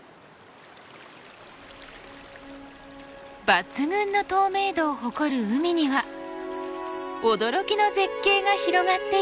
抜群の透明度を誇る海には驚きの絶景が広がっています。